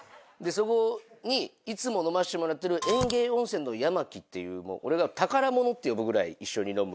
そこにいつも飲ませてもらってる演芸おんせんの矢巻っていう俺が宝物って呼ぶぐらい一緒に飲む芸人が。